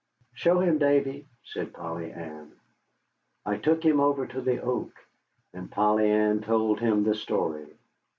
"Show him, Davy," said Polly Ann. I took him over to the oak, and Polly Ann told him the story.